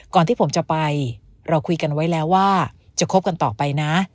ก่อนที่ผมจะไปเราคุยกันไว้แล้วว่าจะคบกันต่อไปนะ